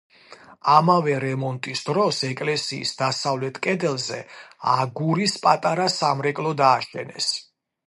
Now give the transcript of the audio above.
ამავე რემონტის დროს, ეკლესიის დასავლეთ კედელზე აგურის, პატარა სამრეკლო დააშენეს.